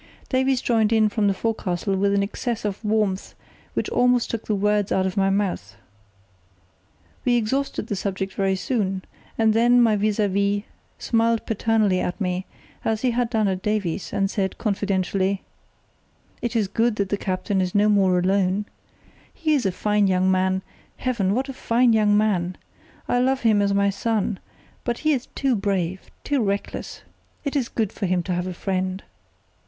Davies joined in from the forecastle with an excess of warmth which almost took the words out of my mouth. We exhausted the subject very soon, and then my vis à vis smiled paternally at me, as he had done at Davies, and said, confidentially: "It is good that the captain is no more alone. He is a fine young man—Heaven, what a fine young man! I love him as my son—but he is too brave, too reckless. It is good for him to have a friend."